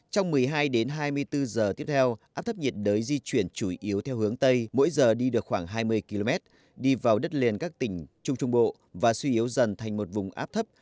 trong một mươi hai đến hai mươi bốn giờ tiếp theo áp thấp nhiệt đới di chuyển chủ yếu theo hướng tây mỗi giờ đi được khoảng hai mươi km đi vào đất liền các tỉnh trung trung bộ và suy yếu dần thành một vùng áp thấp